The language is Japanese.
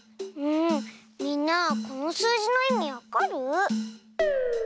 みんなこのすうじのいみわかる？